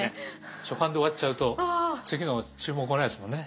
初版で終わっちゃうと次の注文来ないですもんね